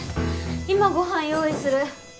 今ご飯用意する。